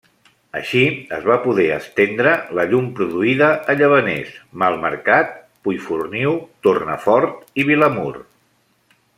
Així, es va poder estendre la llum produïda a Llavaners, Malmercat, Puiforniu, Tornafort i Vilamur.